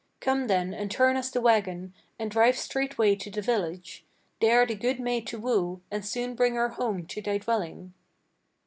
Come then and turn us the wagon, and drive straightway to the village, There the good maid to woo, and soon bring her home to thy dwelling."